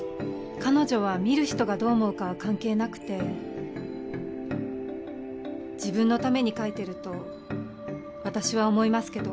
彼女は見る人がどう思うかは関係なくて自分のために描いていると私は思いますけど。